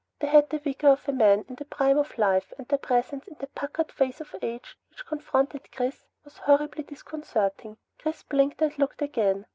They had the vigor of a man in the prime of life, and their presence in that puckered face of age which confronted Chris was horribly disconcerting. Chris blinked and looked again.